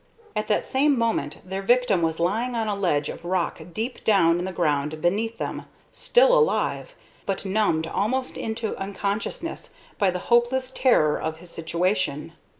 At that same moment their victim was lying on a ledge of rock deep down in the ground beneath them, still alive, but numbed almost into unconsciousness by the hopeless horror of his situation.